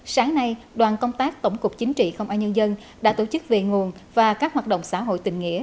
sáng nay đoàn công tác tổng cục chính trị công an nhân dân đã tổ chức về nguồn và các hoạt động xã hội tình nghĩa